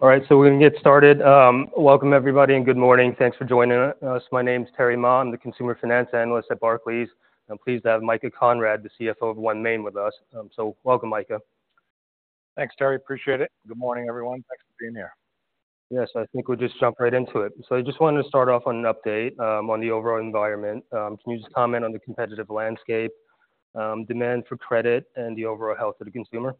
All right, so we're going to get started. Welcome, everybody, and good morning. Thanks for joining us. My name is Terry Ma. I'm the consumer finance analyst at Barclays. I'm pleased to have Micah Conrad, the CFO of OneMain, with us. So welcome, Micah. Thanks, Terry. Appreciate it. Good morning, everyone. Thanks for being here. Yes, I think we'll just jump right into it. I just wanted to start off on an update on the overall environment. Can you just comment on the competitive landscape, demand for credit, and the overall health of the consumer?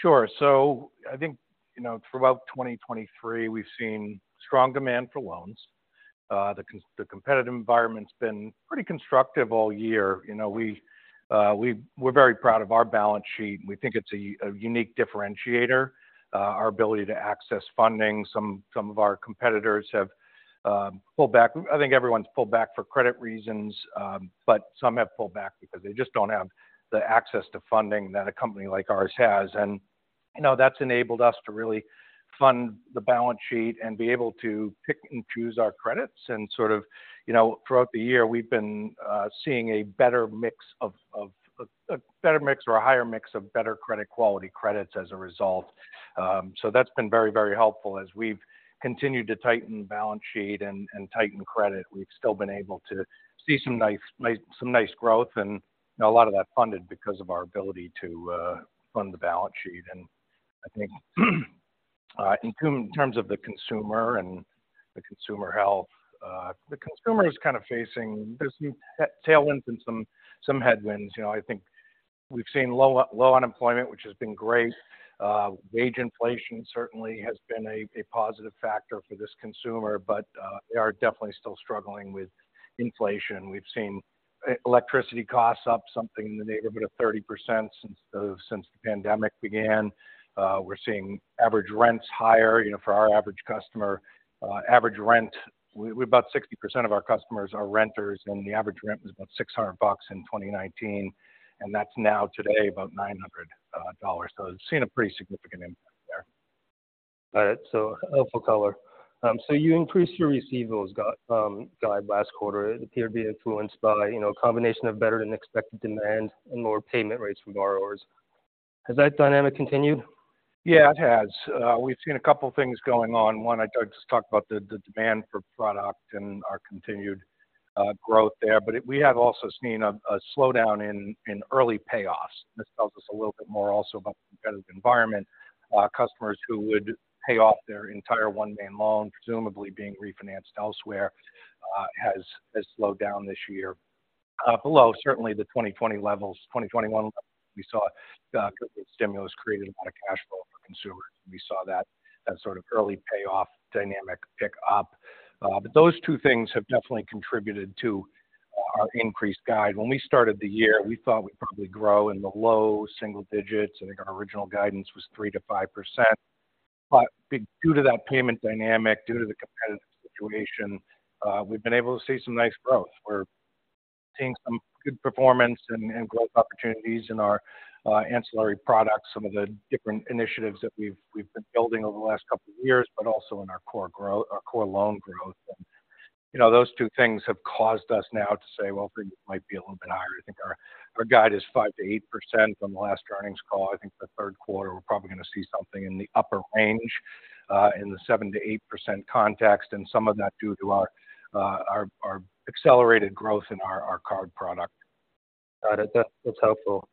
Sure. So I think, you know, throughout 2023, we've seen strong demand for loans. The competitive environment's been pretty constructive all year. You know, we, we're very proud of our balance sheet. We think it's a unique differentiator, our ability to access funding. Some of our competitors have pulled back. I think everyone's pulled back for credit reasons, but some have pulled back because they just don't have the access to funding that a company like ours has. And, you know, that's enabled us to really fund the balance sheet and be able to pick and choose our credits and sort of... You know, throughout the year, we've been seeing a better mix of a better mix or a higher mix of better credit quality credits as a result. So that's been very, very helpful. As we've continued to tighten the balance sheet and tighten credit, we've still been able to see some nice growth and a lot of that funded because of our ability to fund the balance sheet. I think in terms of the consumer and the consumer health, the consumer is kind of facing there's some tailwinds and some headwinds. You know, I think we've seen low unemployment, which has been great. Wage inflation certainly has been a positive factor for this consumer, but they are definitely still struggling with inflation. We've seen electricity costs up something in the neighborhood of 30% since the pandemic began. We're seeing average rents higher. You know, for our average customer, average rent, about 60% of our customers are renters, and the average rent was about $600 in 2019, and that's now today about $900, dollars. So we've seen a pretty significant impact there. Got it. So helpful color. So you increased your receivables guide last quarter. It appeared to be influenced by, you know, a combination of better-than-expected demand and lower payment rates from borrowers. Has that dynamic continued? Yeah, it has. We've seen a couple things going on. One, I just talked about the, the demand for product and our continued growth there, but we have also seen a slowdown in early payoffs. This tells us a little bit more also about the competitive environment. Customers who would pay off their entire OneMain loan, presumably being refinanced elsewhere, has slowed down this year. Below certainly the 2020 levels-2021 levels, we saw stimulus created a lot of cash flow for consumers. We saw that sort of early payoff dynamic pick up. But those two things have definitely contributed to our increased guide. When we started the year, we thought we'd probably grow in the low single digits. I think our original guidance was 3%-5%. But due to that payment dynamic, due to the competitive situation, we've been able to see some nice growth. We're seeing some good performance and growth opportunities in our ancillary products, some of the different initiatives that we've been building over the last couple of years, but also in our core growth—our core loan growth. And, you know, those two things have caused us now to say, well, I think it might be a little bit higher. I think our guide is 5%-8% from the last earnings call. I think the Q3, we're probably going to see something in the upper range, in the 7%-8% context, and some of that due to our accelerated growth in our card product. Got it. That's helpful.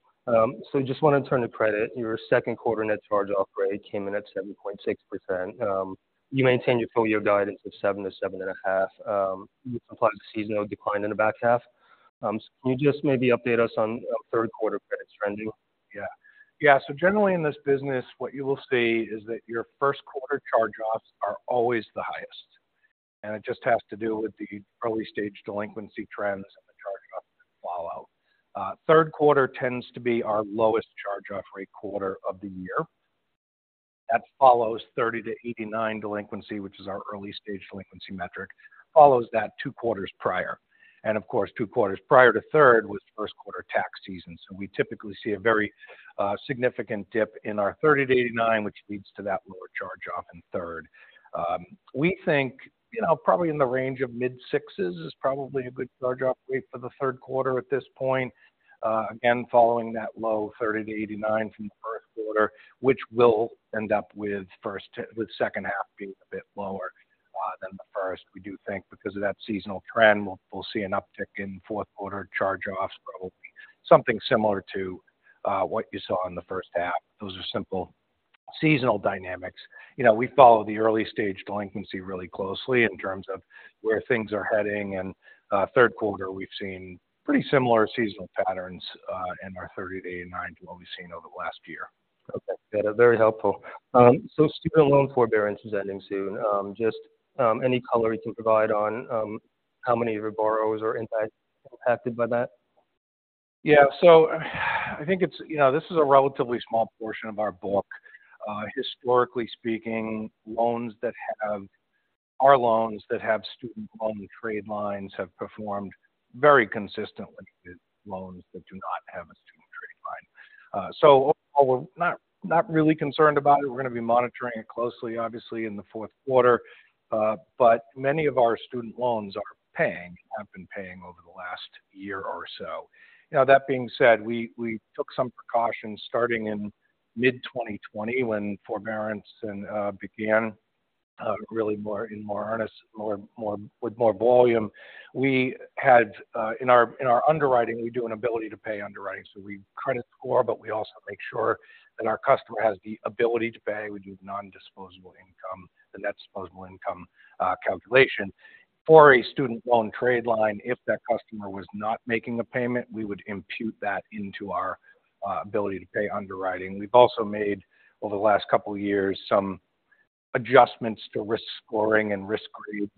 So just want to turn to credit. Your Q2 net charge-off rate came in at 7.6%. You maintained your full-year guidance of 7%-7.5%, you supplied a seasonal decline in the back half. Can you just maybe update us on Q3 credit trend you? Yeah. Yeah, so generally in this business, what you will see is that your Q1 charge-offs are always the highest, and it just has to do with the early-stage delinquency trends and the charge-off fallout. Q3 tends to be our lowest charge-off rate quarter of the year. That follows 30-89 delinquency, which is our early-stage delinquency metric, follows that two quarters prior. And of course, two quarters prior to third was Q1 tax season. So we typically see a very significant dip in our 30-89, which leads to that lower charge-off in third. We think, you know, probably in the range of mid sixes is probably a good charge-off rate for the Q3 at this point. Again, following that low 30-89 from the Q1, which will end up with first... with H2 being a bit lower than the first. We do think because of that seasonal trend, we'll see an uptick in Q4 charge-offs, but it will be something similar to what you saw in the H1. Those are simple seasonal dynamics. You know, we follow the early-stage delinquency really closely in terms of where things are heading. And, Q3, we've seen pretty similar seasonal patterns in our 30-89 to what we've seen over the last year. Okay. That is very helpful. So student loan forbearance is ending soon. Just, any color you can provide on, how many of your borrowers are impacted by that? Yeah. So I think it's. You know, this is a relatively small portion of our book. Historically speaking, our loans that have student loan trade lines have performed very consistently with loans that do not have a student trade line. So we're not really concerned about it. We're going to be monitoring it closely, obviously, in the Q4. But many of our student loans have been paying over the last year or so. Now, that being said, we took some precautions starting in mid-2020 when forbearance began in more earnest, with more volume. In our underwriting, we do an ability to pay underwriting. So we credit score, but we also make sure that our customer has the ability to pay. We do non-disposable income, the net disposable income calculation. For a student loan trade line, if that customer was not making a payment, we would impute that into our ability to pay underwriting. We've also made, over the last couple of years, some adjustments to risk scoring and Risk Grades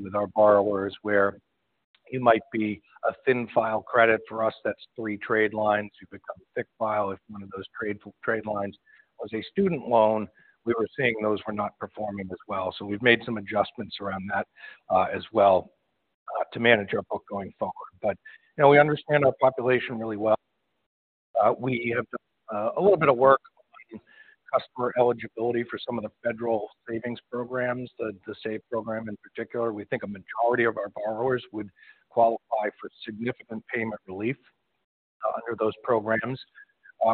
with our borrowers, where it might be a thin-file credit. For us, that's 3 trade lines. You become a thick file if one of those trade lines was a student loan. We were seeing those were not performing as well, so we've made some adjustments around that as well to manage our book going forward. But, you know, we understand our population really well. We have done a little bit of work on customer eligibility for some of the federal savings programs, the SAVE program in particular. We think a majority of our borrowers would qualify for significant payment relief under those programs.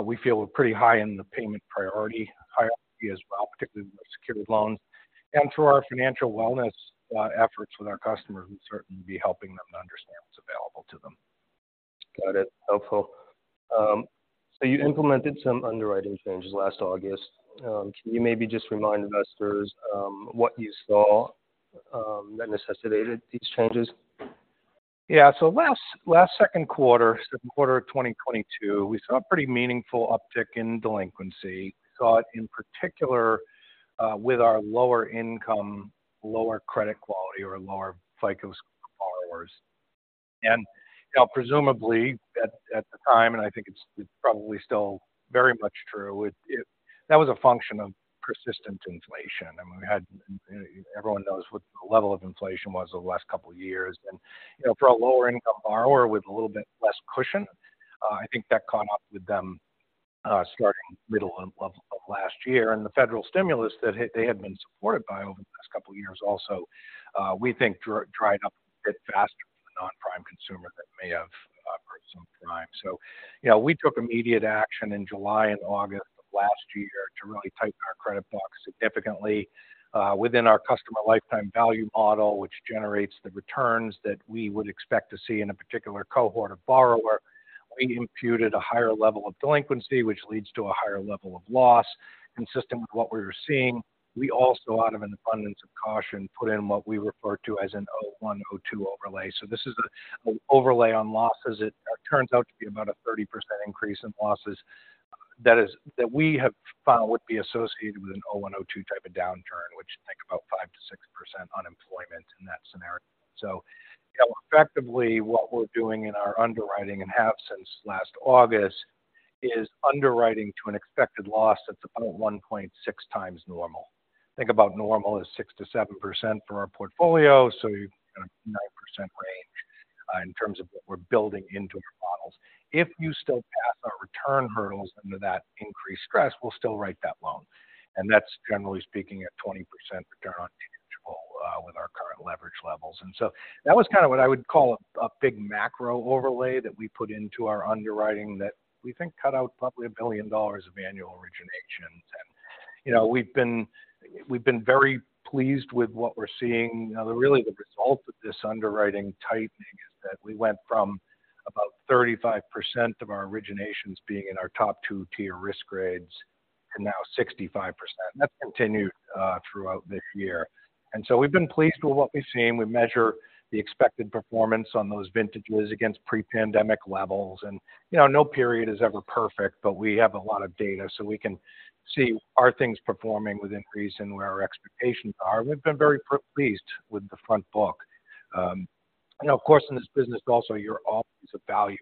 We feel we're pretty high in the payment priority hierarchy as well, particularly with secured loans. Through our financial wellness efforts with our customers, we'd certainly be helping them to understand what's available to them. Got it. Helpful. So you implemented some underwriting changes last August. Can you maybe just remind investors what you saw that necessitated these changes? Yeah. So last Q2, Q2 of 2022, we saw a pretty meaningful uptick in delinquency. We saw it in particular with our lower income, lower credit quality, or lower FICO borrowers. And, you know, presumably at the time, and I think it's probably still very much true, that was a function of persistent inflation. I mean, we had... Everyone knows what the level of inflation was the last couple of years. And, you know, for a lower-income borrower with a little bit less cushion, I think that caught up with them starting middle of last year. And the federal stimulus that they had been supported by over the past couple of years also, we think dried up a bit faster for non-prime consumer than it may have for some prime. So, you know, we took immediate action in July and August of last year to really tighten our credit box significantly, within our Customer Lifetime Value Model, which generates the returns that we would expect to see in a particular cohort of borrower. We imputed a higher level of delinquency, which leads to a higher level of loss, consistent with what we were seeing. We also, out of an abundance of caution, put in what we refer to as an O1, O2 Overlay. So this is an overlay on losses. It turns out to be about a 30% increase in losses, that is, that we have found would be associated with an O1, O2 type of downturn, which you think about 5%-6% unemployment in that scenario. So effectively, what we're doing in our underwriting, and have since last August, is underwriting to an expected loss that's about 1.6 times normal. Think about normal as 6%-7% for our portfolio, so you've got a 9% range in terms of what we're building into our models. If you still pass our return hurdles under that increased stress, we'll still write that loan. And that's generally speaking, at 20% return on tangible with our current leverage levels. And so that was kind of what I would call a big macro overlay that we put into our underwriting that we think cut out probably $1 billion of annual originations. And, you know, we've been very pleased with what we're seeing. Now, really, the result of this underwriting tightening is that we went from about 35% of our originations being in our top two tier Risk Grades to now 65%. That's continued throughout this year. So we've been pleased with what we've seen. We measure the expected performance on those vintages against pre-pandemic levels. You know, no period is ever perfect, but we have a lot of data, so we can see, are things performing within reason where our expectations are? We've been very pleased with the Front Book. You know, of course, in this business, also, you're always evaluating.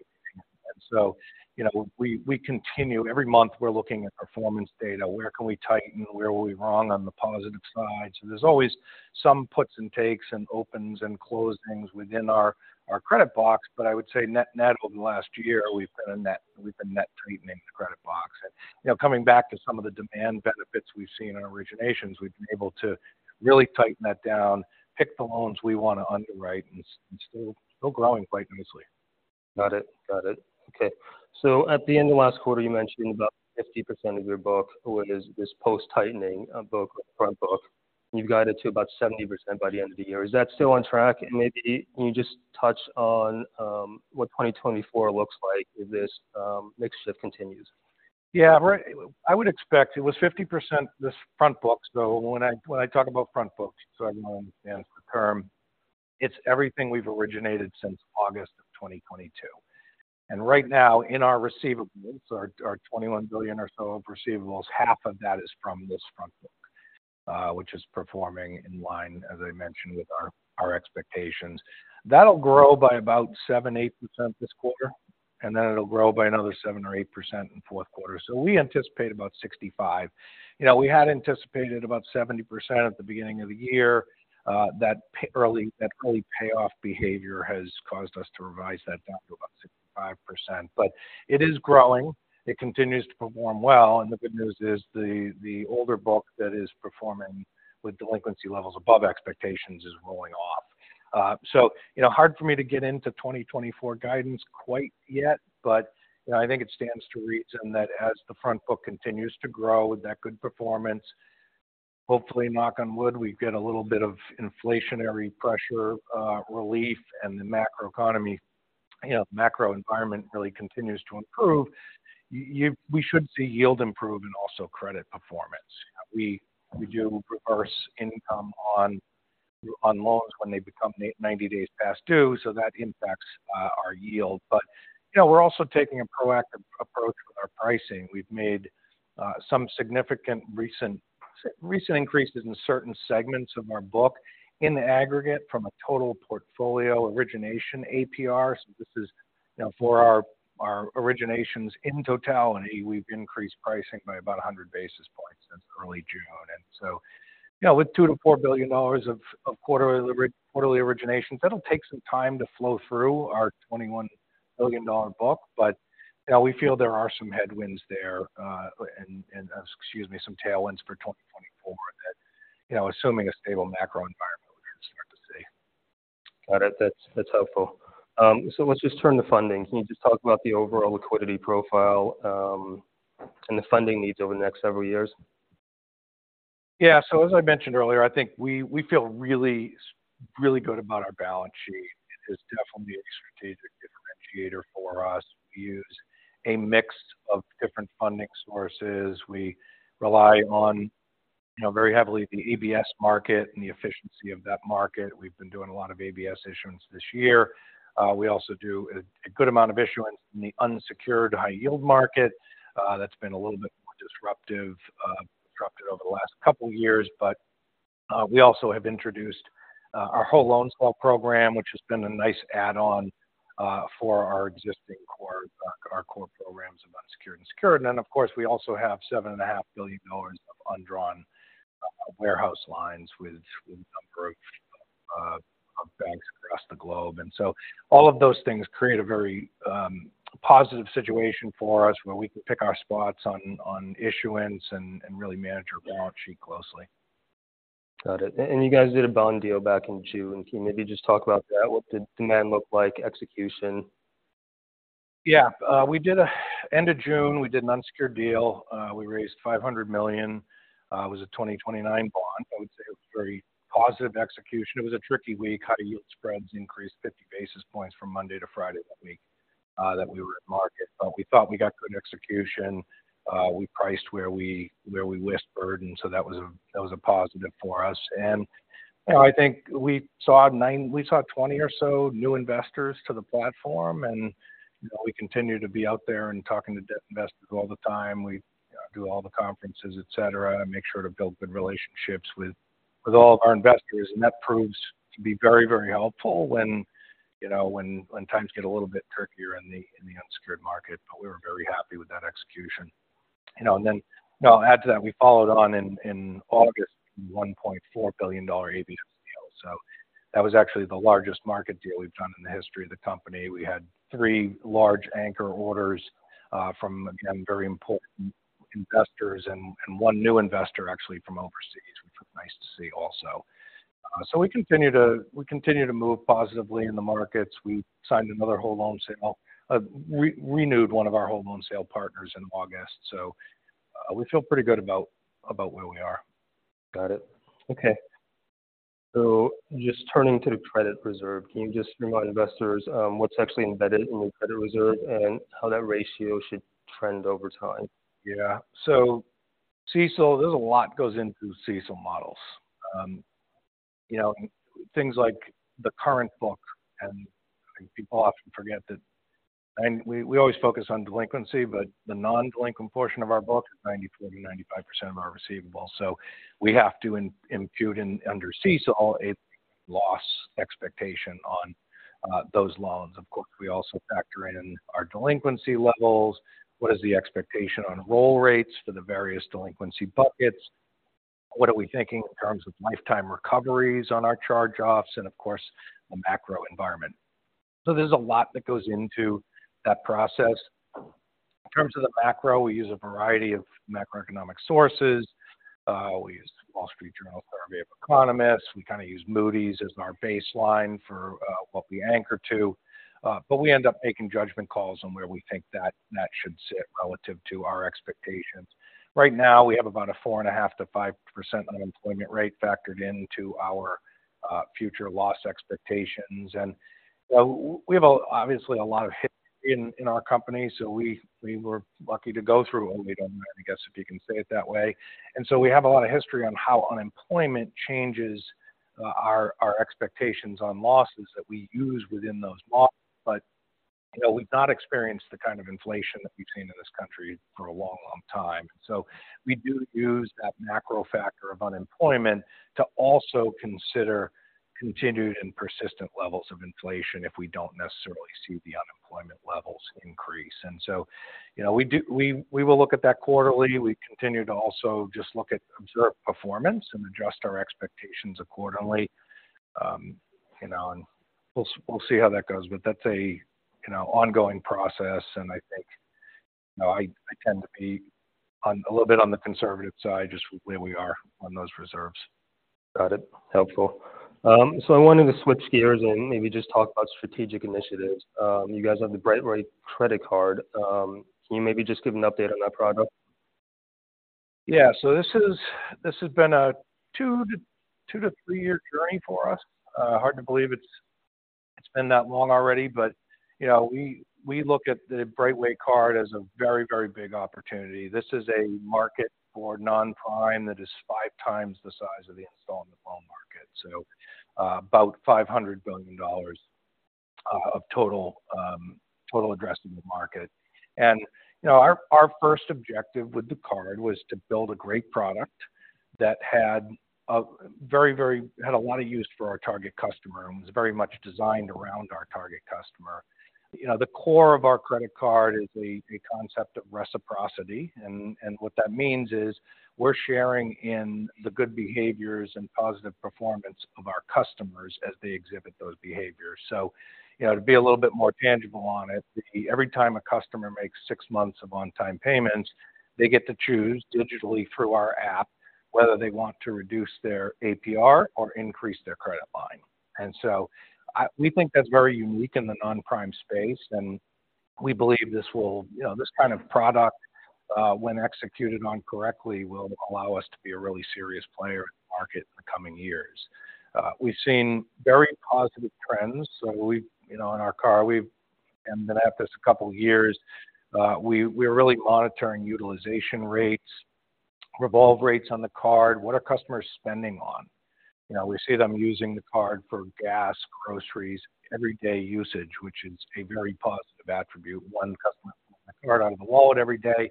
So, you know, we continue every month. We're looking at performance data. Where can we tighten? Where were we wrong on the positive side? So there's always some puts and takes and opens and closings within our credit box, but I would say net, over the last year, we've been net tightening the credit box. And, you know, coming back to some of the demand benefits we've seen in originations, we've been able to really tighten that down, pick the loans we want to underwrite, and still growing quite nicely. Got it. Got it. Okay. So at the end of last quarter, you mentioned about 50% of your book was this post-tightening, book, Front Book. You've got it to about 70% by the end of the year. Is that still on track? And maybe can you just touch on, what 2024 looks like if this, mix shift continues? Yeah, right. I would expect it was 50%, this Front Book. So when I talk about Front Book, so everyone understands the term, it's everything we've originated since August 2022. And right now, in our receivables, our $21 billion or so of receivables, half of that is from this Front Book, which is performing in line, as I mentioned, with our expectations. That'll grow by about 7-8% this quarter, and then it'll grow by another 7-8% in Q4. So we anticipate about 65%. You know, we had anticipated about 70% at the beginning of the year. That early payoff behavior has caused us to revise that down to about 65%. But it is growing. It continues to perform well, and the good news is the older book that is performing with delinquency levels above expectations is rolling off... So, you know, hard for me to get into 2024 guidance quite yet, but, you know, I think it stands to reason that as the Front Book continues to grow with that good performance, hopefully, knock on wood, we get a little bit of inflationary pressure relief and the macroeconomy, you know, macro environment really continues to improve. We should see yield improve and also credit performance. We do reverse income on loans when they become 90 days past due, so that impacts our yield. But, you know, we're also taking a proactive approach with our pricing. We've made some significant recent, recent increases in certain segments of our book in the aggregate from a total portfolio origination APR. So this is, you know, for our originations in totality, we've increased pricing by about 100 basis points since early June. And so, you know, with $2 billion-$4 billion of quarterly originations, that'll take some time to flow through our $21 billion book. But, yeah, we feel there are some headwinds there, and some tailwinds for 2024 that, you know, assuming a stable macro environment, we're going to start to see. Got it. That's, that's helpful. So let's just turn to funding. Can you just talk about the overall liquidity profile, and the funding needs over the next several years? Yeah. So as I mentioned earlier, I think we feel really, really good about our balance sheet. It is definitely a strategic differentiator for us. We use a mix of different funding sources. We rely on, you know, very heavily the ABS market and the efficiency of that market. We've been doing a lot of ABS issuance this year. We also do a good amount of issuance in the unsecured high-yield market. That's been a little bit more disrupted over the last couple of years. But we also have introduced our whole loan sale program, which has been a nice add-on for our existing core programs about secured and unsecured. Then, of course, we also have $7.5 billion of undrawn warehouse lines with a number of banks across the globe. So all of those things create a very positive situation for us, where we can pick our spots on issuance and really manage our balance sheet closely. Got it. You guys did a bond deal back in June. Can you maybe just talk about that? What did demand look like, execution? Yeah. End of June, we did an unsecured deal. We raised $500 million. It was a 2029 bond. I would say it was a very positive execution. It was a tricky week. High-yield spreads increased 50 basis points from Monday to Friday that week, that we were in market. But we thought we got good execution. We priced where we, where we whispered, so that was a, that was a positive for us. And, you know, I think we saw 20 or so new investors to the platform, and, you know, we continue to be out there and talking to debt investors all the time. We do all the conferences, et cetera, and make sure to build good relationships with, with all of our investors. That proves to be very, very helpful when, you know, times get a little bit trickier in the unsecured market. But we were very happy with that execution. You know, and then I'll add to that: we followed on in August, $1.4 billion ABS deal. So that was actually the largest market deal we've done in the history of the company. We had three large anchor orders from, again, very important investors and one new investor actually from overseas, which was nice to see also. So we continue to move positively in the markets. We signed another whole loan sale. Renewed one of our whole loan sale partners in August, so we feel pretty good about where we are. Got it. Okay. So just turning to the credit reserve, can you just remind investors, what's actually embedded in the credit reserve and how that ratio should trend over time? Yeah. So CECL, there's a lot goes into CECL models. You know, things like the current book, and people often forget that, and we, we always focus on delinquency, but the non-delinquent portion of our book is 94%-95% of our receivables, so we have to impute and, under CECL, a loss expectation on those loans. Of course, we also factor in our delinquency levels. What is the expectation on roll rates for the various delinquency buckets? What are we thinking in terms of lifetime recoveries on our charge-offs, and of course, the macro environment? So there's a lot that goes into that process. In terms of the macro, we use a variety of macroeconomic sources. We use Wall Street Journal survey of economists. We kind of use Moody's as our baseline for what we anchor to. But we end up making judgment calls on where we think that that should sit relative to our expectations. Right now, we have about a 4.5%-5% unemployment rate factored into our future loss expectations. And so we have, obviously, a lot of history in our company, so we were lucky to go through only, I guess, if you can say it that way. And so we have a lot of history on how unemployment changes our expectations on losses that we use within those models. But, you know, we've not experienced the kind of inflation that we've seen in this country for a long, long time. So we do use that macro factor of unemployment to also consider continued and persistent levels of inflation if we don't necessarily see the unemployment levels increase. And so, you know, we do—we will look at that quarterly. We continue to also just look at observed performance and adjust our expectations accordingly. You know, and we'll see how that goes. But that's, you know, an ongoing process, and so I tend to be a little bit on the conservative side, just where we are on those reserves. Got it. Helpful. So I wanted to switch gears and maybe just talk about strategic initiatives. You guys have the BrightWay credit card. Can you maybe just give an update on that product? Yeah. So this has been a 2-3-year journey for us. Hard to believe it's been that long already, but, you know, we look at the BrightWay card as a very, very big opportunity. This is a market for non-prime that is five times the size of the installment loan market, so, about $500 billion of total addressable market. And, you know, our first objective with the card was to build a great product that had a lot of use for our target customer and was very much designed around our target customer. You know, the core of our credit card is the concept of reciprocity, and what that means is we're sharing in the good behaviors and positive performance of our customers as they exhibit those behaviors. So, you know, to be a little bit more tangible on it, every time a customer makes six months of on-time payments, they get to choose digitally through our app, whether they want to reduce their APR or increase their credit line. And so, we think that's very unique in the non-prime space, and we believe this will... You know, this kind of product, when executed on correctly, will allow us to be a really serious player in the market in the coming years. We've seen very positive trends. So we've... You know, on our card, we've... and then after a couple of years, we, we're really monitoring utilization rates, revolve rates on the card, what are customers spending on? You know, we see them using the card for gas, groceries, everyday usage, which is a very positive attribute. One, customer pulling the card out of the wallet every day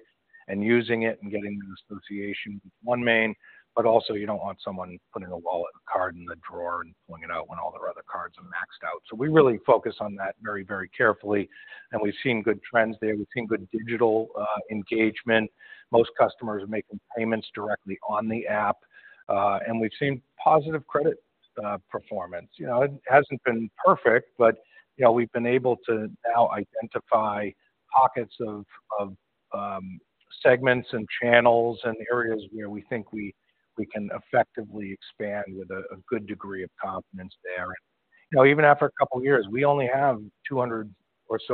and using it and getting an association with OneMain, but also you don't want someone putting a wallet, a card in the drawer and pulling it out when all their other cards are maxed out. So we really focus on that very, very carefully, and we've seen good trends there. We've seen good digital engagement. Most customers are making payments directly on the app, and we've seen positive credit performance. You know, it hasn't been perfect, but, you know, we've been able to now identify pockets of segments and channels and areas where we think we can effectively expand with a good degree of confidence there. You know, even after a couple of years, we only have $200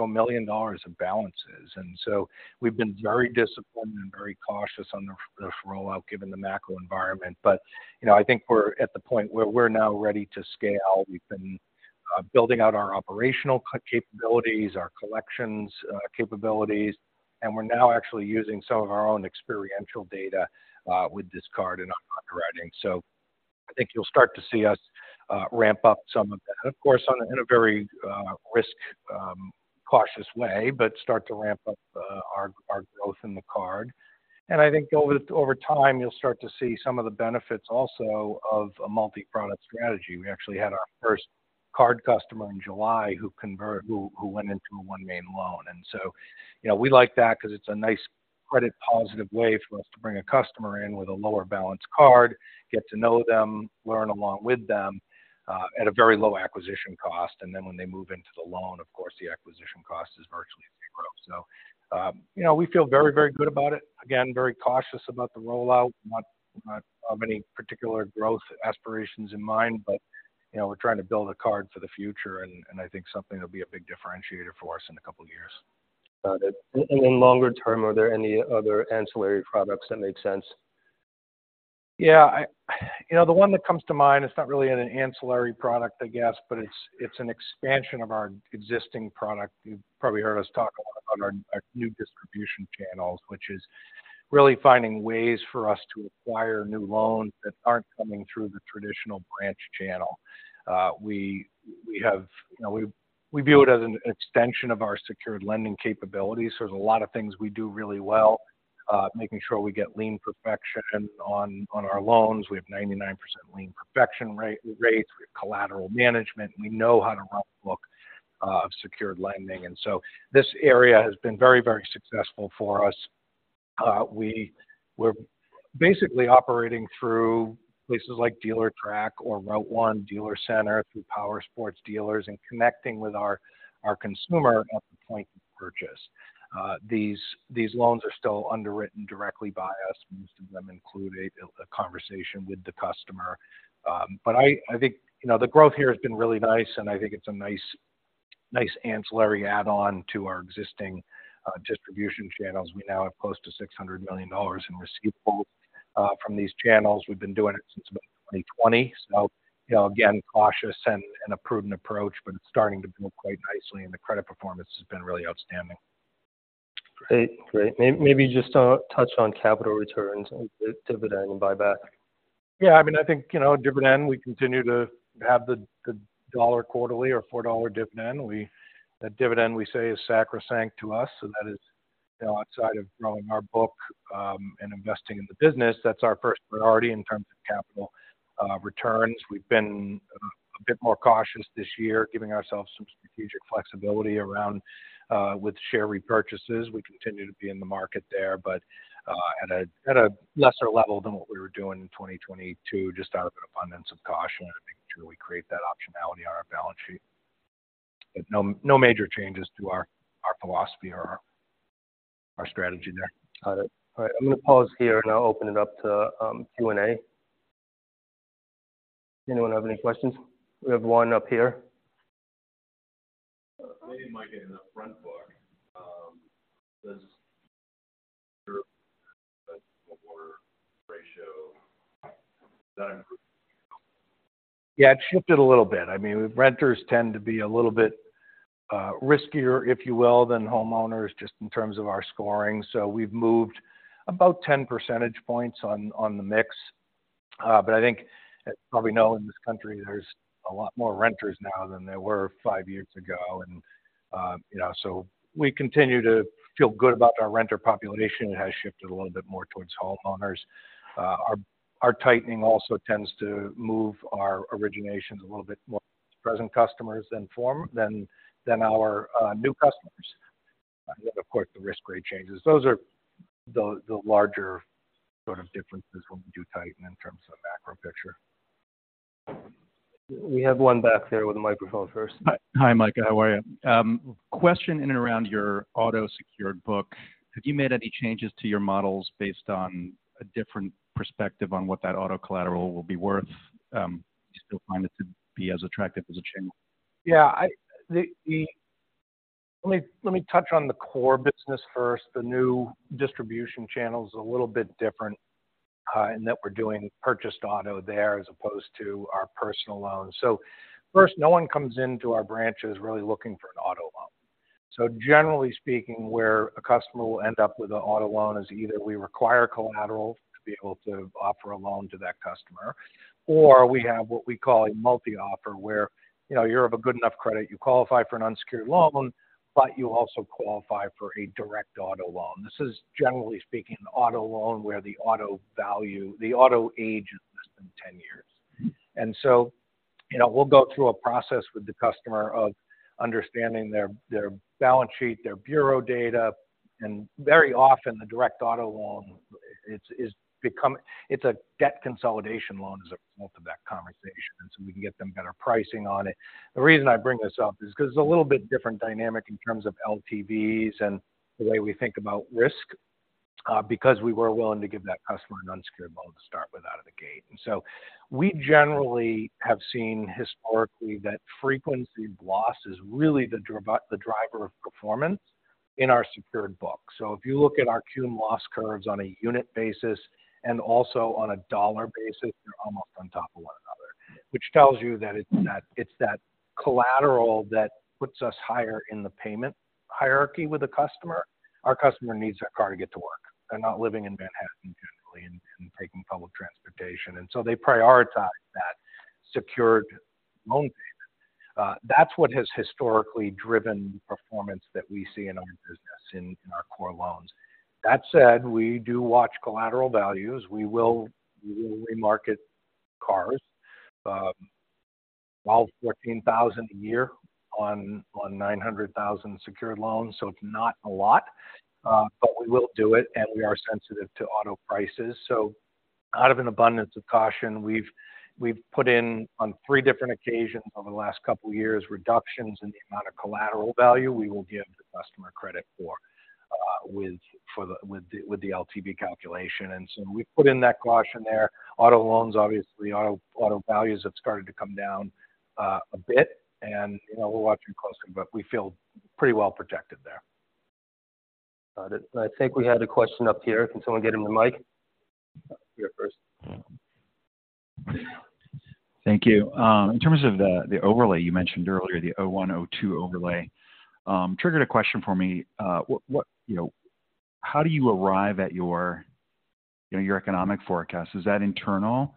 million or so of balances, and so we've been very disciplined and very cautious on the rollout, given the macro environment. But, you know, I think we're at the point where we're now ready to scale. We've been building out our operational capabilities, our collections capabilities, and we're now actually using some of our own experiential data with this card in our underwriting. So I think you'll start to see us ramp up some of that. Of course, on a in a very risk cautious way, but start to ramp up our growth in the card. And I think over time, you'll start to see some of the benefits also of a multi-product strategy. We actually had our first card customer in July who converted—who went into a OneMain loan. And so, you know, we like that because it's a nice credit positive way for us to bring a customer in with a lower balanced card, get to know them, learn along with them at a very low acquisition cost. And then when they move into the loan, of course, the acquisition cost is virtually zero. So, you know, we feel very, very good about it. Again, very cautious about the rollout, not of any particular growth aspirations in mind, but, you know, we're trying to build a card for the future, and I think something that'll be a big differentiator for us in a couple of years. Got it. And then longer term, are there any other ancillary products that make sense? Yeah, you know, the one that comes to mind, it's not really an ancillary product, I guess, but it's an expansion of our existing product. You've probably heard us talk a lot about our new distribution channels, which is really finding ways for us to acquire new loans that aren't coming through the traditional branch channel. We have. You know, we view it as an extension of our secured lending capabilities. There's a lot of things we do really well, making sure we get lien perfection on our loans. We have 99% lien perfection rates, we have collateral management, we know how to run a book of secured lending, and so this area has been very, very successful for us. We're basically operating through places like Dealertrack or RouteOne Dealer Center, through powersports dealers and connecting with our consumer at the point of purchase. These loans are still underwritten directly by us, most of them include a conversation with the customer. But I think, you know, the growth here has been really nice, and I think it's a nice ancillary add-on to our existing distribution channels. We now have close to $600 million in receivables from these channels. We've been doing it since about 2020. So, you know, again, cautious and a prudent approach, but it's starting to build quite nicely, and the credit performance has been really outstanding. Great. Great. Maybe just touch on capital returns, dividend, and buyback. Yeah, I mean, I think, you know, dividend, we continue to have the $1 quarterly or $4 dividend. We, that dividend, we say, is sacrosanct to us, and that is, you know, outside of growing our book, and investing in the business, that's our first priority in terms of capital returns. We've been a bit more cautious this year, giving ourselves some strategic flexibility around with share repurchases. We continue to be in the market there, but at a lesser level than what we were doing in 2022, just out of an abundance of caution and making sure we create that optionality on our balance sheet.... No, no major changes to our philosophy or our strategy there. Got it. All right, I'm going to pause here, and I'll open it up to Q&A. Anyone have any questions? We have one up here. Hey, Mike, in the Front Book, does your ratio, does that improve? Yeah, it shifted a little bit. I mean, renters tend to be a little bit riskier, if you will, than homeowners, just in terms of our scoring. So we've moved about 10 percentage points on the mix. But I think as we probably know, in this country, there's a lot more renters now than there were five years ago, and you know, so we continue to feel good about our renter population. It has shifted a little bit more towards homeowners. Our tightening also tends to move our originations a little bit more present customers than our new customers. And of course, the Risk Grade changes. Those are the larger sort of differences when we do tighten in terms of the macro picture. We have one back there with a microphone first. Hi, Mike. How are you? Question in and around your auto-secured book, have you made any changes to your models based on a different perspective on what that auto collateral will be worth? Do you still find it to be as attractive as a channel? Yeah, let me touch on the core business first. The new distribution channel is a little bit different in that we're doing purchased auto there as opposed to our personal loans. So first, no one comes into our branches really looking for an auto loan. So generally speaking, where a customer will end up with an auto loan is either we require collateral to be able to offer a loan to that customer, or we have what we call a multi-offer, where, you know, you're of a good enough credit, you qualify for an unsecured loan, but you also qualify for a direct auto loan. This is, generally speaking, an auto loan where the auto value, the auto age is less than 10 years. You know, we'll go through a process with the customer of understanding their balance sheet, their bureau data, and very often the direct auto loan; it's a debt consolidation loan as a result of that conversation, and so we can get them better pricing on it. The reason I bring this up is because it's a little bit different dynamic in terms of LTVs and the way we think about risk, because we were willing to give that customer an unsecured loan to start with out of the gate. And so we generally have seen historically that frequency of loss is really the driver of performance in our secured book. So if you look at our cum loss curves on a unit basis and also on a dollar basis, they're almost on top of one another. Which tells you that it's that, it's that collateral that puts us higher in the payment hierarchy with the customer. Our customer needs that car to get to work. They're not living in Manhattan generally and taking public transportation, and so they prioritize that secured loan payment. That's what has historically driven performance that we see in our business, in our core loans. That said, we do watch collateral values. We will remarket cars 12-14,000 a year on 900,000 secured loans, so it's not a lot, but we will do it, and we are sensitive to auto prices. Out of an abundance of caution, we've put in on three different occasions over the last couple of years, reductions in the amount of collateral value we will give the customer credit for, with the LTV calculation. So we put in that caution there. Auto loans, obviously, auto values have started to come down a bit and, you know, we're watching closely, but we feel pretty well protected there. Got it. I think we had a question up here. Can someone get him the mic? Here first. Thank you. In terms of the overlay you mentioned earlier, the O1, O2 overlay, triggered a question for me. What-- You know, how do you arrive at your, you know, your economic forecast? Is that internal?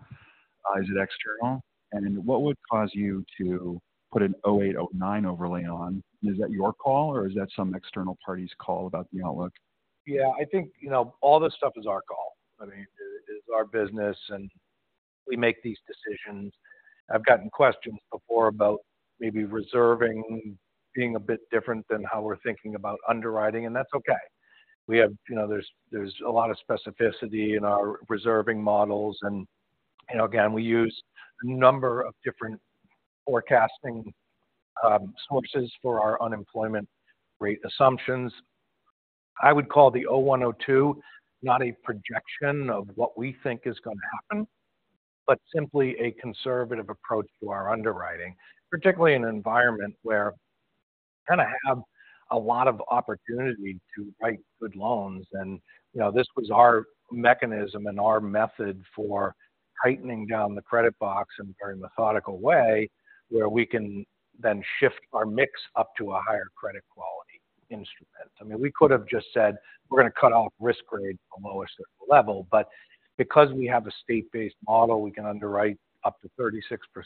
Is it external? And then what would cause you to put an O8, O9 overlay on? Is that your call, or is that some external party's call about the outlook? Yeah, I think, you know, all this stuff is our call. I mean, it is our business, and we make these decisions. I've gotten questions before about maybe reserving being a bit different than how we're thinking about underwriting, and that's okay. We have. You know, there's a lot of specificity in our reserving models, and, you know, again, we use a number of different forecasting sources for our unemployment rate assumptions. I would call the O1, O2, not a projection of what we think is going to happen, but simply a conservative approach to our underwriting, particularly in an environment where we kind of have a lot of opportunity to write good loans. You know, this was our mechanism and our method for tightening down the credit box in a very methodical way, where we can then shift our mix up to a higher credit quality instrument. I mean, we could have just said, we're going to cut off Risk Grade below a certain level, but because we have a state-based model, we can underwrite up to 36%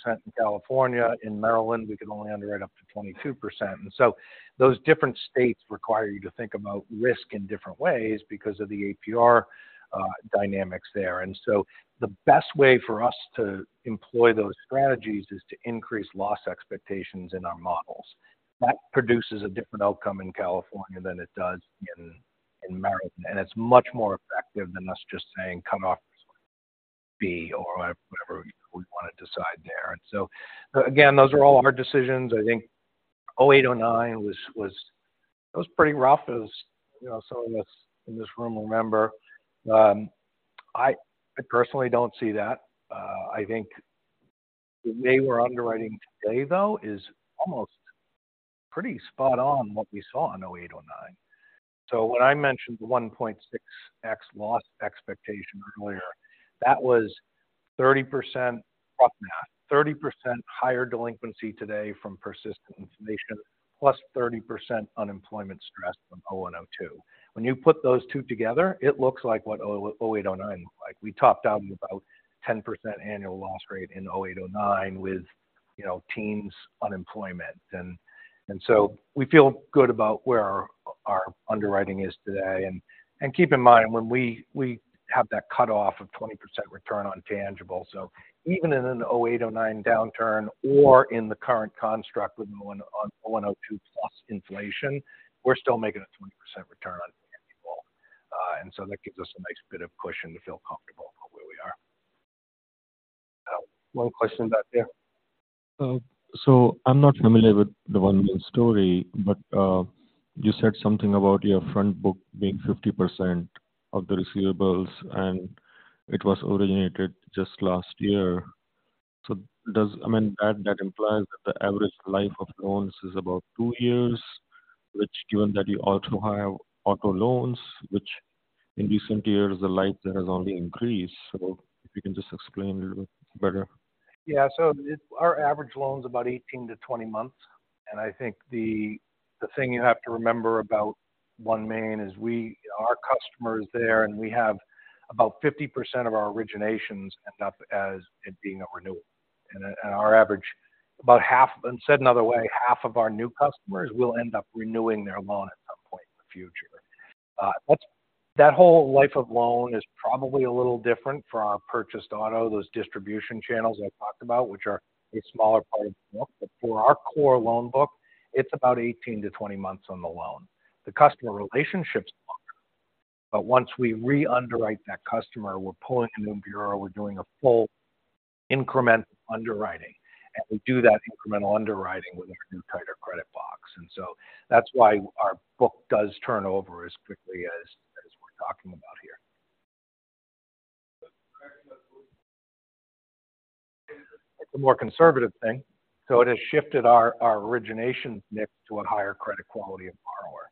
in California. In Maryland, we can only underwrite up to 22%. And so those different states require you to think about risk in different ways because of the APR dynamics there. And so the best way for us to employ those strategies is to increase loss expectations in our models. That produces a different outcome in California than it does in Maryland, and it's much more effective than us just saying, "Cut off Risk Grade-... 08 or whatever we want to decide there. And so again, those are all hard decisions. I think, 2008, 2009 was pretty rough, as you know, some of us in this room remember. I personally don't see that. I think the way we're underwriting today, though, is almost pretty spot on what we saw in 2008, 2009. So when I mentioned the 1.6x loss expectation earlier, that was 30% rough math, 30% higher delinquency today from persistent inflation, plus 30% unemployment stress from 2001, 2002. When you put those two together, it looks like what 2008, 2009 looked like. We topped out at about 10% annual loss rate in 2008, 2009 with, you know, teens% unemployment. And so we feel good about where our underwriting is today. And keep in mind, when we have that cutoff of 20% return on tangible. So even in an O8, O9 downturn or in the current construct with O1, O2 plus inflation, we're still making a 20% return on tangible. And so that gives us a nice bit of cushion to feel comfortable about where we are. One question back there. So I'm not familiar with the OneMain story, but you said something about your Front Book being 50% of the receivables, and it was originated just last year. So I mean, that, that implies that the average life of loans is about two years, which given that you also have auto loans, which in recent years, the life there has only increased. So if you can just explain a little better. Yeah. So our average loan is about 18-20 months, and I think the thing you have to remember about OneMain is our customers there, and we have about 50% of our originations end up as it being a renewal. And our average, about half-- and said another way, half of our new customers will end up renewing their loan at some point in the future. That's that whole life of loan is probably a little different from our purchased auto, those distribution channels I talked about, which are a smaller part of the book. But for our core loan book, it's about 18-20 months on the loan. The customer relationship is longer, but once we re-underwrite that customer, we're pulling a new bureau, we're doing a full incremental underwriting, and we do that incremental underwriting with our new tighter credit box. And so that's why our book does turn over as quickly as we're talking about here. It's a more conservative thing, so it has shifted our origination mix to a higher credit quality of borrower,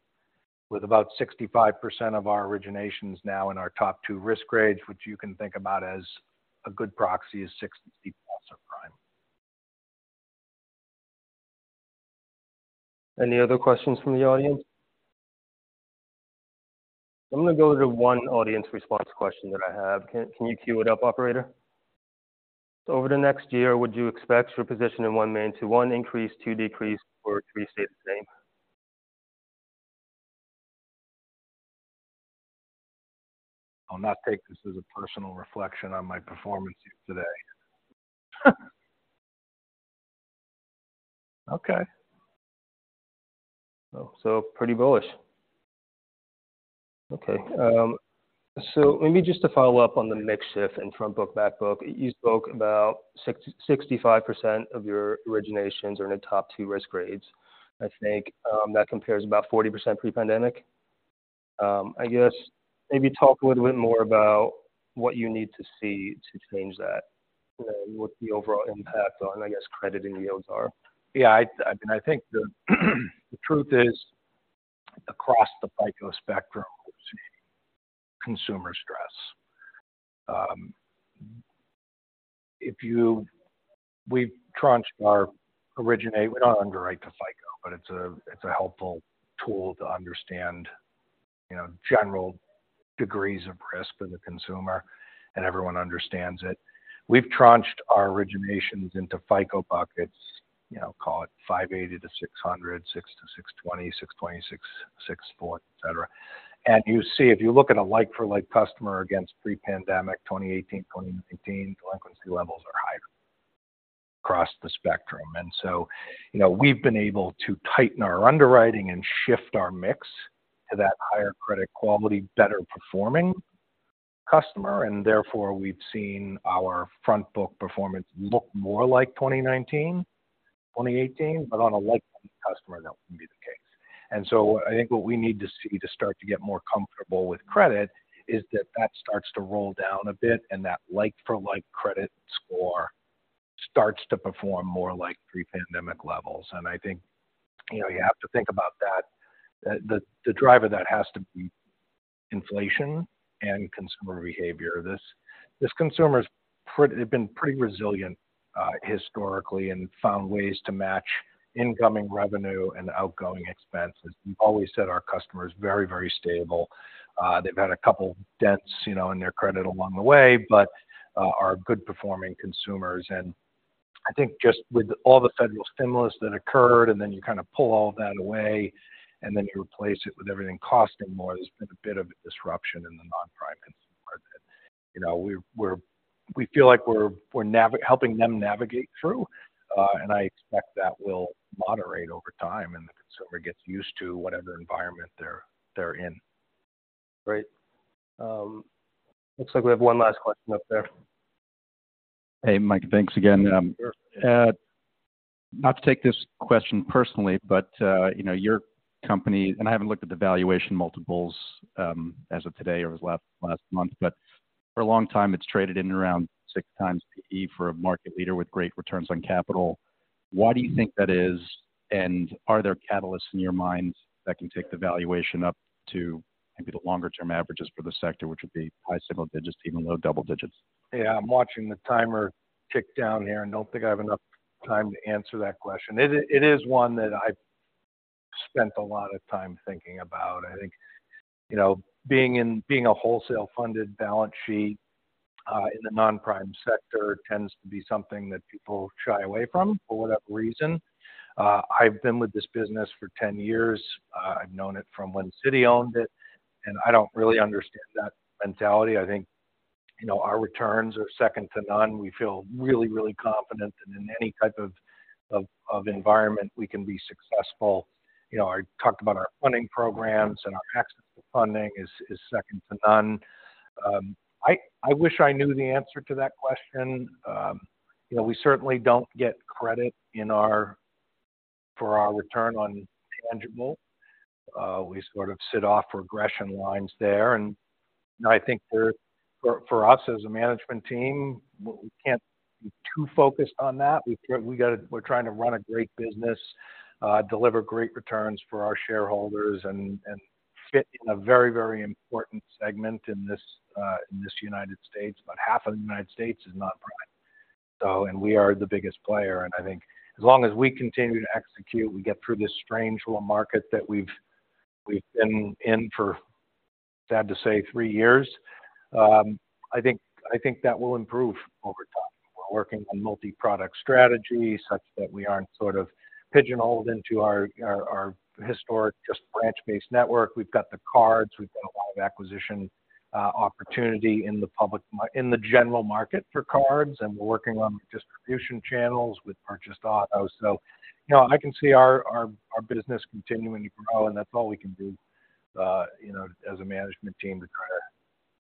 with about 65% of our originations now in our top two Risk Grades, which you can think about as a good proxy is 60+ or prime. Any other questions from the audience? I'm going to go to one audience response question that I have. Can you queue it up, operator? Over the next year, would you expect your position in OneMain to, one, increase, two, decrease, or three, stay the same? I'll not take this as a personal reflection on my performance here today. Okay. So, so pretty bullish. Okay, so maybe just to follow up on the mix shift in Front Book, Back Book, you spoke about 66-65% of your originations are in the top two Risk Grades. I think, that compares to about 40% pre-pandemic. I guess maybe talk a little bit more about what you need to see to change that and what the overall impact on, I guess, credit and yields are. Yeah, I mean, I think the truth is, across the FICO spectrum, we've seen consumer stress. If you—we've tranched our originate—we don't underwrite to FICO, but it's a, it's a helpful tool to understand, you know, general degrees of risk for the consumer, and everyone understands it. We've tranched our originations into FICO buckets, you know, call it 580-600, 600-620, 620-640, etc. And you see, if you look at a like for like customer against pre-pandemic, 2018, 2019, delinquency levels are higher across the spectrum. And so, you know, we've been able to tighten our underwriting and shift our mix to that higher credit quality, better-performing customer, and therefore, we've seen our Front Book performance look more like 2019, 2018, but on a like customer, that wouldn't be the case. And so I think what we need to see to start to get more comfortable with credit is that that starts to roll down a bit, and that like-for-like credit score starts to perform more like pre-pandemic levels. And I think, you know, you have to think about that. The driver of that has to be inflation and consumer behavior. This consumer is pretty—they've been pretty resilient, historically and found ways to match incoming revenue and outgoing expenses. We've always said our customer is very, very stable. They've had a couple of dents, you know, in their credit along the way, but are good-performing consumers. I think just with all the federal stimulus that occurred, and then you kind of pull all that away, and then you replace it with everything costing more, there's been a bit of a disruption in the non-prime consumer. You know, we feel like we're helping them navigate through, and I expect that will moderate over time, and the consumer gets used to whatever environment they're in. Great. Looks like we have one last question up there.... Hey, Mike, thanks again. Not to take this question personally, but you know, your company, and I haven't looked at the valuation multiples as of today or as last, last month, but for a long time, it's traded in around 6x PE for a market leader with great returns on capital. Why do you think that is? And are there catalysts in your mind that can take the valuation up to maybe the longer-term averages for the sector, which would be high single digits, even low double digits? Yeah, I'm watching the timer tick down here and don't think I have enough time to answer that question. It is one that I've spent a lot of time thinking about. I think, you know, being in a wholesale-funded balance sheet in the non-prime sector tends to be something that people shy away from, for whatever reason. I've been with this business for 10 years. I've known it from when Citi owned it, and I don't really understand that mentality. I think, you know, our returns are second to none. We feel really, really confident that in any type of environment, we can be successful. You know, I talked about our funding programs, and our access to funding is second to none. I wish I knew the answer to that question. You know, we certainly don't get credit for our return on tangible. We sort of sit off regression lines there, and I think for us as a management team, we can't be too focused on that. We're trying to run a great business, deliver great returns for our shareholders and fit in a very, very important segment in this United States. About half of the United States is not prime, so, and we are the biggest player. And I think as long as we continue to execute, we get through this strange little market that we've been in for, sad to say, three years. I think that will improve over time. We're working on multi-product strategy such that we aren't sort of pigeonholed into our historic, just branch-based network. We've got the cards, we've got a lot of acquisition opportunity in the general market for cards, and we're working on distribution channels with purchased auto. So, you know, I can see our business continuing to grow, and that's all we can do, you know, as a management team, to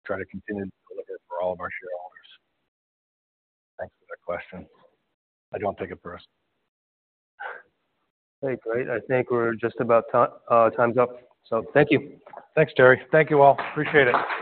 try to continue to deliver for all of our shareholders. Thanks for that question. I don't take it personally. Okay, great. I think we're just about time's up. So thank you. Thanks, Terry. Thank you, all. Appreciate it.